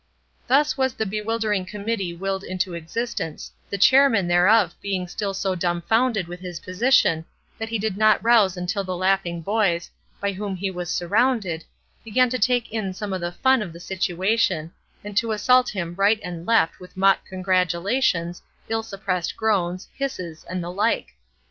Thus was the bewildering committee willed into existence; the chairman thereof being still so dumbfounded with his position that he did not rouse until the laughing boys, by whom he was surrounded, began to take in some of the fun of the situation, and to assault him right and left with mock congratulations, ill suppressed groans, hisses, and the like.